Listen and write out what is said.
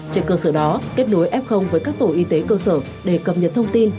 trên cơ sở đó kết nối f với các tổ y tế cơ sở để cập nhật thông tin